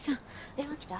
電話きた？